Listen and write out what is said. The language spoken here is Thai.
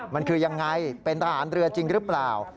มันคือยังไงเป็นทหารเรือจริงหรือเปล่า